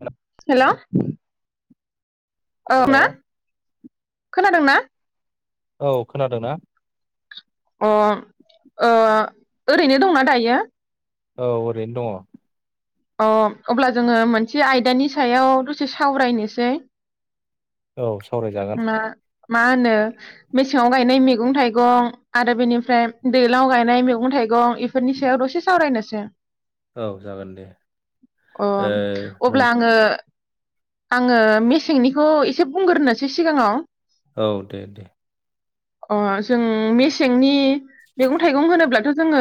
हेल' हेल' ओ हेल' मा खोनादों ना औ खोनादोंना अ ओ ओरैनो दंना दायो औ ओरैनो दङ अ अब्ला जोङो मोनसे आयदानि सायाव दसे सावरायनोसै औ सावरायजागोन मा मा होनो मेसेङाव गायनाय मैगं थाइगं आरो बेनिफ्राय दैलां गायनाय मैगं थाइगं इफोरनि सायाव दसे सावरायनोसै औ जागोन दे अ ओ नों अब्ला आङो आङो मेसेंनिखौ एसे बुंग्रोनोसै सिगाङाव। औ दे दे। अ जों मेसेंनि मैगं थाइगं होनोब्लाथ' जोङो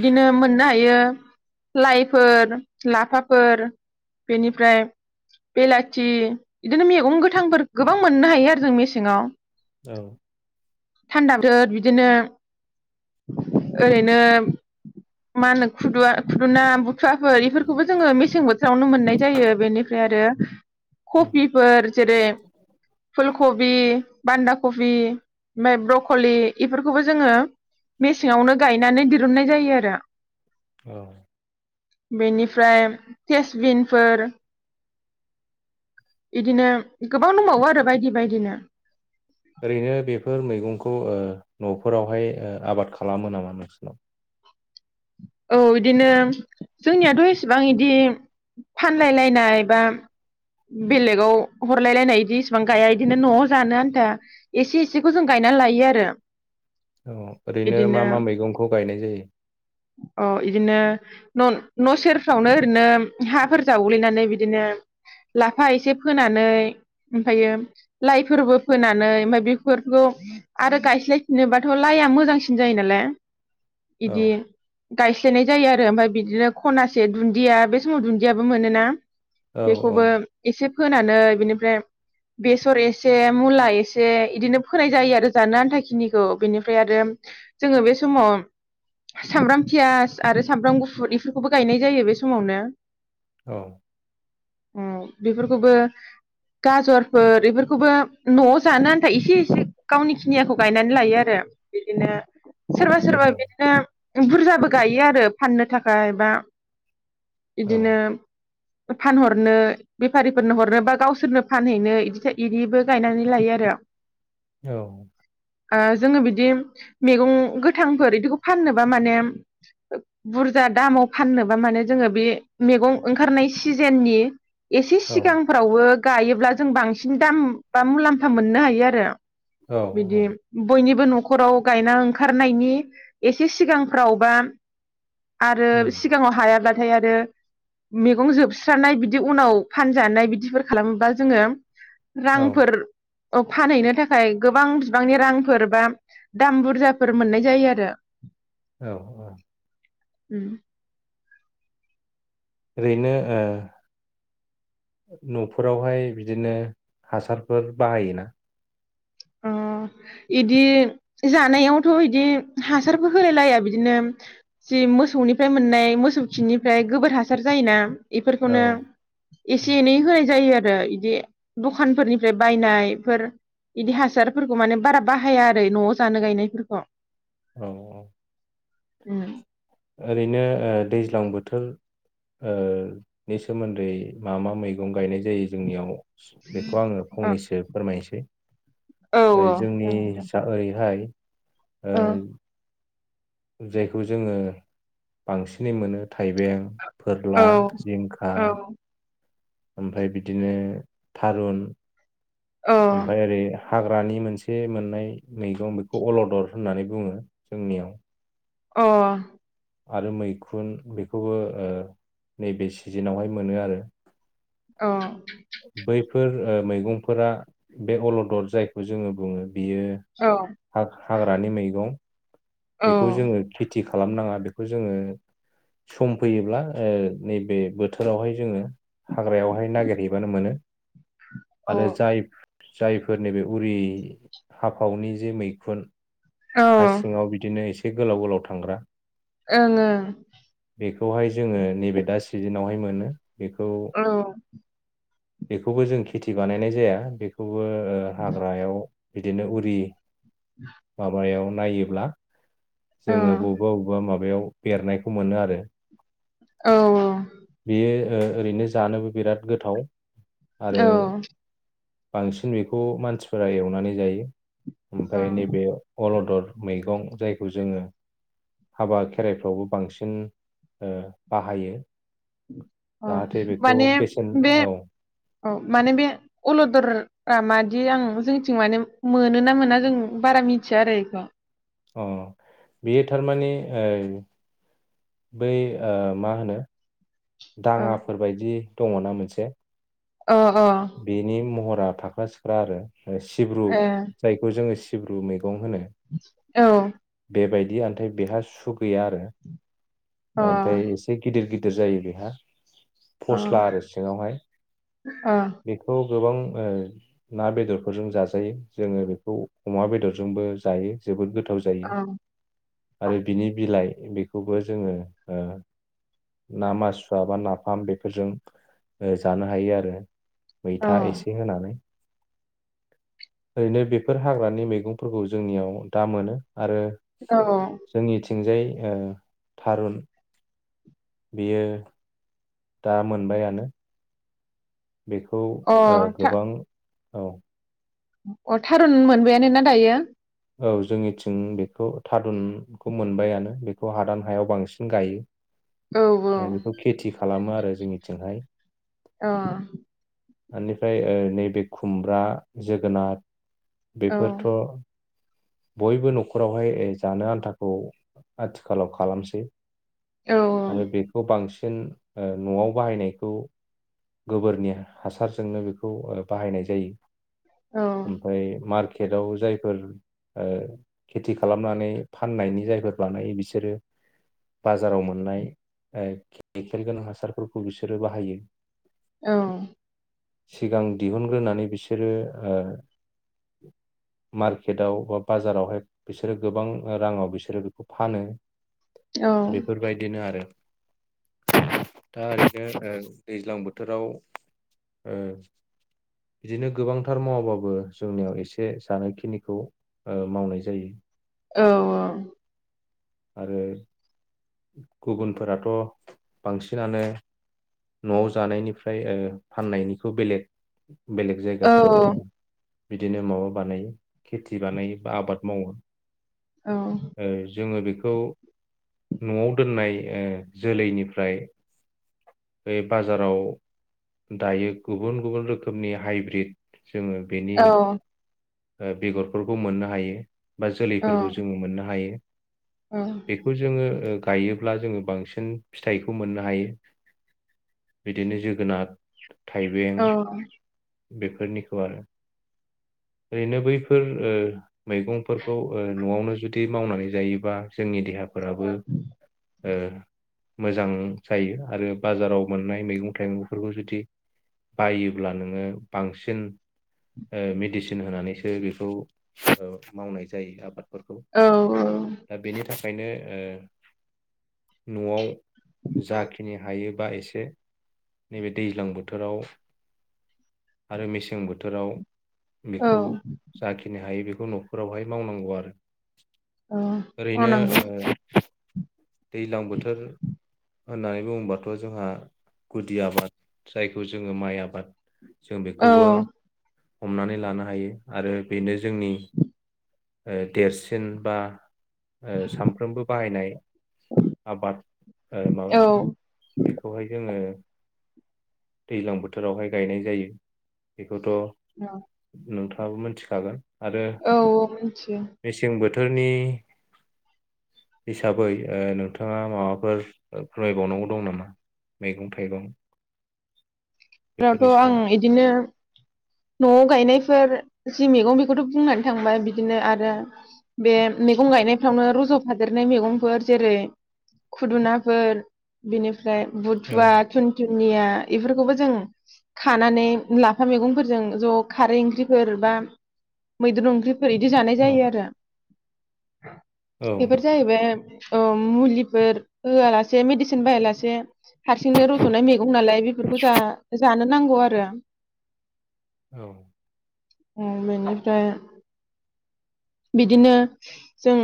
इदिनो मोननाय यो लाइ फोर लाफाफोर बेनिफ्राय बेलाथि इदिनो मैगं गोथांफोर गोबां मोननो हायो आरो जों मेसेङाव। औ थान्दा [inaudible] बिदिनो ओरैनो मा होनो खुदुवा खुदुना बु थुवाफोर इफोरखौबो जोङो मेसें बोथोरावनो मोननाय जायो बेनिफ्राय आरो कफिफोर जेरै फुल खबि, बान्दा कफि, ओमफ्राय ब्रकलि इफोरखौबो जोङो मेसेङावनो गायनानै दिरुननाय जायो आरो। औ। बेनिफ्राय तेसबिनफोर [inaudible] बिदिनो गोबां दंबावो आरो बायदि बायदिनो। ओरैनो बेफोर मैगंखौ ओ नफोरावहाय ओ आबाद खालामो नामा नोंसिनाव? औ इदिनो जोंनियाथ' इसेबां इदि फानलायलायनाय बा बेलेगाव हरलायलायनाय इदि इसिबां गाया इदिनो न'आव जानो आन्था एसे एसेखौ जों गायना लायो आरो। औ ओरैनो मा इदिनो मा मैगंखौ गायनाय जायो? अ इदिनो न' सेरफ्रावनो ओरैनो हाफोर जावग्लिनानै बिदिनो लाफा एसे फोनानै ओमफ्रायायो लाइफोरबो फोनानै ओमफाय बेफोरखौ आरो गायस्लायफिनोबाथ' लाइआ मोजांसिन जायो नालाय। औ इदि गायस्लायनाय जायो आरो ओमफ्राय बिदिनो खनासे दुन्दिया बे समाव दुन्दियाबो मोनोना। औ औ बेखौबो एसे फोनानै बेनिफ्राय बेसर एसे मुला एसे बिदिनो फोनाय जायो आरो जानो आन्था खिनिखौ बेनिफ्राय आरो जोङो बे समाव सामब्राम पियास आरो सामब्राम गुफुर इफोरखौबो गायनाय जायो बे समावनो। औ। औ बेफोरखौबो गाजरफोर इफोरखौबो न'आव जानो आन्था एसे एसे गावनि खिनियाखौ गायनानै लायो आरो बिदिनो सोरबा औ सोरबा बिदिनो बुरजाब बो गायो आरो फाननो थाखाय बा औ इदिनो फानहरनो बेफारिफोरनो हरनो बा गावसोरनो फानहैनो बिदि इदिबो गायनानै लायो आरो। औ। ओ जोङो बिदि मैगं गोथांफोर बिदिखौ फाननोबा माने बुरजा दामाव फाननोबा माने जोङो बे मैगं ओंखारनाय सिजेननि एसे औ सिगांफ्रावबो गायोब्ला जों बांसिन दाम बा मुलाम्फा मोननो हायो आरो। औ बिदि औ बयनिबो न'खराव गायना ओंखारनायनि एसे सिगांफ्राव बा आरो उम सिगाङाव हायाब्ला थाय आरो मेगं जोबस्रानाय बिदि उनाव फानजानाय बिदिफोर खालामोबा जोङो औ रांफोर अ फानहैनो थाखाय गोबां बिबांनि रांफोर बा दाम बुरजाफोर मोननाय जायो आरो औ औ उम ओरैनो ओ न'फोरावहाय बिदिनो हासारफोर बाहायोना अ इदि जानायावथ' इदि हासारबो होलाय लाया बिदिनो जि मोसौनिफ्राय मोननाय मोसौ खिनिफ्राय गोबोर हासार जायोना। औ इफोरखौनो एसे एनै होनाय जायो आरो आरो इदि दखानफोरनिफ्राय बायनायफोर इदि हासारफोरखौ माने बारा बाहाया आरो न'आव जानो गायनायफोरखौ औ औ उम ओरैनो ओ दैज्लां बोथोर ओ नि सोमोन्दै मा मा मैगं गायनाय जायो जोंनियाव बेखौ आङो ओ फंनैसो फोरमायनोसै। औ ओ औ जोंनि नोंथां सा ओरैहाय ओं जायखौ जोङो बांसिनै मोनो थाइबें औ फोरला जिंखा औ ओमफाय बिदिनो थारुन औ ओमफाय ओरै हाग्रानि मोनसे मोननाय मैगं बेखौ अलदर होननानै बुङो जोंनियाव। अह। आरो मैखुन बेखौबो ओ नैबे सिजेनावहाय मोनो आरो। औ बैफोर ओ मैगंफोरा बे अलदर जायखौ जोङो बुङो बियो औ हा-हाग्रानि मैगं। औ बेखौ ओं जोङो खेथि खा खालामनाङा बेखौ जोङो सम फैयोब्ला ओ नैबे बोथोरावहाय जोङो हाग्रायावहाय नागेरहैबानो मोनो। आरो ओं जाय जायफोर नैबे उरि हाफावनि जे मैखुन औ हा सिङाव बिदिनो एसे बे गोलाव गोलाव थांग्रा ओं ओं। बेखौहाय जोङो नैबे दा सिजेनावहाय मोनो। बेखौ औ। बेखौबो जों खेथि बानायनाय जाया बेखौ बो ओ हाग्रायाव बिदिनो उरि। [inaudible] बायाव नायोब्ला जोङो बबेबा बबेबा माबायाव बेरनायखौ मोनो आरो। बेयो ओ‌ ओरैनो जानोबो बिराद गोथाव। आरो औ। बांसिन बेखौ मानसिफोरा एवनानै जायो। औ ओमफाय नैबे अलदद मैगं जायखौ जोङो हाबा खेराइफ्रावबो बांसिन ओ बाहायो। औ‌ जाहाथे बेखौ माने बेसेन बे औ औ माने बे अलदर रा मा बिदि आं जोंथिं माने मोनो ना मोना जों बारा मिथिया आरो बेखौ अ बेयो थारमानि ओ‌ बै ओ मा होनो। औ दाङाफोरबायदि। दङ ना मोनसे। अ बेनि महद ब्रा थाख्रा सिख्रा आरो सिब्रु ए जायखौ जोङो सिब्रु मै गं होनो औ बेबाय बि आमथाय बेहा सु गैया आरो अ ओमफ्राय एसे गिदिर गिदिर गिदिर जायो बेहा फस्ला अ आरो सिङावहाय अ बेखौ गोबां ओ ना बेदरफोरजों जाजायो जोङो बेखौ अमा बेदरजोंबो जायो जोबोद गोथाव गोथाव जायो अ आरो बिनि बिलाइ बेखौबो जोङो ओ ना मासुवा बा नाफाम बेफोरजों जानो हायो आरो मैथा एसे होनानै ओरैनो बेफोर हाग्रानि मैगंफोरखौ जोंनियाव दा मोनो। आरो औ जोंनि थिंजाय ओ थारुन बियो दा मोनबायानो बेखौ औ ओ अ था गोबां औ अ थारुन मोनबायानो ना दायो? औ जोंनिथिं बेखौ थारुनखौ मोनबायानो बेखौ हादान हायाव बांसिन गायो। औ औ ओ बेखौ खेथि खालामो आरो जोंनिथिंहाय। अ बेनिफ्राय ओ नैबे खुमब्रा जोगोनाथ औ बेफोरथ' बयबो न'खरावहाय जानो आन्थाखौ आथिखालाव खालामसै । आरो औ बेखौ बांसि बांसिन ओ न'आव बाहायनायखौ गोबोरनि हासारजोंनो बेखौ बाहायनाय जायो। औ ओमफ्राय मा केटआव जायफोर ओ खेथि खालामनानै फाननायनि जायफोर बानायो बिसोरो बाजाराव मोननाय केमिकेल गोनां हासारफोरखौ बिसोरो बाहायो। औ सिगां दिहुनग्रोनानै बिसोरो ओ मार्केटाव अबावबा बाजारावहाय बिसोरो गोबां राङाव बिसोरो बेखौ फानो। औ बेफोरबायदिनो आरो दा ओरैनो दैज्लां बोथोराव ओ बिदिनो गोबांथार मावाबाबो जोंनियाव एसे जानाय खिनिखौ ओ मावनाय जायो। औ ओ। आरो गुबुनफोराथ' बांसिनानो न'आव जानायनिफ्राय ओ फाननायनिखौ बेलेग बेलेग औ जायगाफोराव बिदिनो माबा बानायो खेथि बिदि बानायो बा आबाद मावो। औ औ। ओ जोङो बेखौ न'आव दोननाय ओ जोलैनिफ्राय बे बाजाराव दायो गुबुन गुबुन रोखोमनि हाइब्रिद जोंङो बेनि औ ओ बेगर फोरखौ मोननो हायो। बा जोलैफोरखौ जोंङो मोननो हायो। औ बेखौ जोंङो ओ गायोब्ला जोंङो बांसिन फिथाइखौ मोननो हायो बिदिनो जोगोनार थाइबें औ। बेफोरनिखौ आरो ओरैनो बैफोर ओ मैगंफोरखौ ओ नआवनो जुदि मावनानै जायोबा जोंनि देहा फोराबो ओ मोजां जायो आरो बाजाराव मोननाय मैगं थाइगंफोरखौ जुदि बायोब्ला नोङो बांसिन मिडिस नोनानि सो बेखौ औ मावनाय जायो आबाद फोरखौ दा बेनि थाख खायनो ओ नआव जाखिनि हायोबा एसे नैबे दैज्लां बोथोराव आरो मेसें बोथोराव औ बेखौ जाखिनि हायो बेख खौ नफोरावहाय मावनांगौ आरो ओरैनो मावनांगौ ओ दैलां बोथोर होननानै बुङोबाथ जोंहा गुदि आबाद जायखौ जोङो माइ आबाद जों औ बेखौबो हमनानै लानो हायो आरो बेनो जोंनि ओ देरसिन बा ओ सामफ्रोमबो बाहायनाय आबाद ओ माबब औ बेखौहाय जोङो दैल्जांबोथोरावहाय गायनाय जायो बे नुथ नोथा ओं मोनथिखागोन औ औ मिनथियो थोरनि हिसाबै ओ नोंथाङा माबाफोर फोरमायबावनांगौ दं नामा मैगं थाइगं रावथ बेफोरनि आं सायाव इदिनो न'आव गायनायफोर जि मैगं बेखौथ' बुंनानै थांबाय बिदिनो आरो बे मेगं गायनायफ्रावनो रजफादेरनाय मैगंफोर जेरै खुदुनाफोर बिनिफ फ्राय औ बुथुा थुनथु निया इफोरखौबो जों खानानै लाफा मैगंफोरजों ज' खारै ओंख्रिफोर बा मैद्रु ओंख्रिफ फोर इदि जानाय औ जायो आरो एबार औ जाहैबाय औ मुलिफोर होआ लासे मेडिसिन बाहाया लासे हारसिंनो रजनाय मैगं नालाय बेफोरखौ जा जानो नांगौ आरो औ ओ बेनिफ्राय बिदिनो जों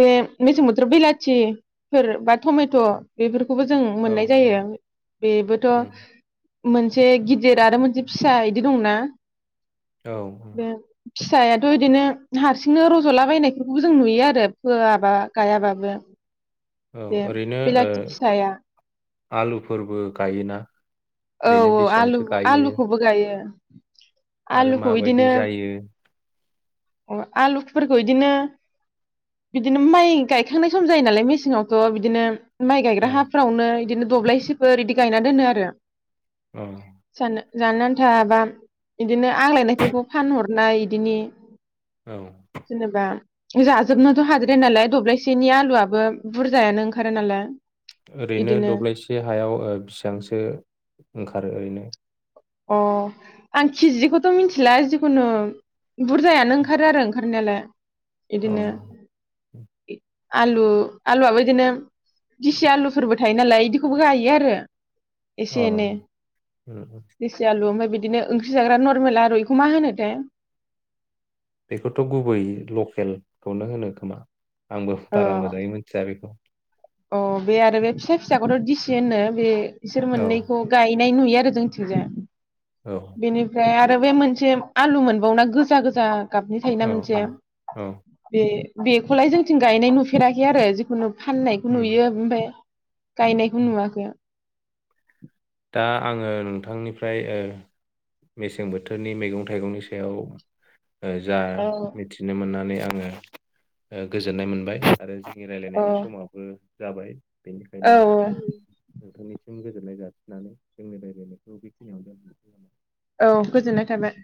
बे मेसें बोथोर बिलाथिफोर बा टमेट' बेफोर खौबो जों औ मोननाय जायो बेबोथ उम मोनसे गिदिर आरो मोनसे फिसा इदि दंना औ औ बे फिसायाथ इदिनो हारसिंनो रजलाबायनायफोरखौबो जों नुयो आरो फोआबा गायाबाबो। औ जे ओरैनो ओ बिलाथि फिसाया आलुफोरबो गायोना औ ओरैनो औ आलु बेसेबांसो गायो आलुखौबो गायो आरो आलुखौ बिदिनो माबायदि जायो अ आलु फोरखौ बिदिनो बिदिनो माइ गायखांनाय सम जायो नालाय मेसेंआवथ बिदिनो माइ गायग्रा औ हाफोरावनो बिदिनो दब्लायसेफोर इदि गायना दोनो आरो औ जानो जानो आन्थाबा इदिनो आग्लायनायफोरखौ फानहरनाय इदिनि औ जेनेबा [unintelligible] जोबनोथ हाद्राया नालाय दब्लाय बिसोरनि आलुआबो बुरजायानो ओंखारो नालाय। ओरैनो इदिनो दब्लायसे हायाव बेसेबांसो ओंखारो ओरैनो। अ आं किजिखौथ' मिथिला जिखुनु बुरजायानो ओंखारो आरो ओंखारनायालाय। अ इदिनो। आलु आलुआबो इदिनो गिसि आलुफोरबो थायो नालाय इदिखौबो गायो आरो। एसे एनै अ। देसि आलु ओमफ्राय बिदिनो ओंख्रि जाग्रा नरमेल आरोलु बेखौ मा होनो थाय । बेखौथ' गुबै लकेलखौनो होनो खोमा। आंबो अ बारा मोजाङै मिथिया बेखौ। अ बे आरो बे फिसा फिसाखौथ' दिसि होननो बे बिसोर औ मोननैखौ गाय नाय नुयो आरो जोंनिथि जाय। औ बेनिफ्राय आरो आरो बे मोनसे आलु मोनबावोना गोजा गोजा गाबनि थायोना औ औ मोनसे औ बे बेखौलाय जोंथिं गायनाय नुफेराखै आरो जिखुनु फान खौ उम नुयो ओमफाय गायनायखौ नुवाखै आं [inaudible] दा आङो नोंथांनिफ्राय ओ मेसें बोथोरनि मैगं थाइगंनि सायाव ओ जा मिथिनो मोननानै आङो ओ गोजोननाय मोनबाय आरो नि औ रायलायनायनि समावबो जाबाय बेनिखायनो औ नोंथांनिसिम गोजोननाय जासि नानै जोंनि रायलायनायखौ बेखिनियावनो दोनथनिसै नामा औ गोजोननाय थाबाय